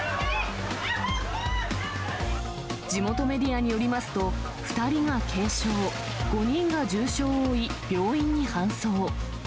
地元メディアによりますと、２人が軽傷、５人が重傷を負い、病院に搬送。